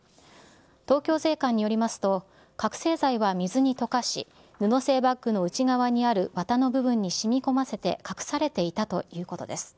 東京税関によりますと、覚醒剤は水に溶かし、布製バッグの内側にある綿の部分にしみこませて隠されていたということです。